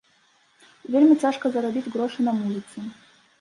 І вельмі цяжка зарабіць грошы на музыцы.